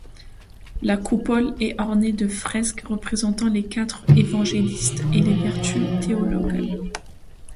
La coupole est ornée de fresques représentant les quatre évangélistes et les vertus théologales.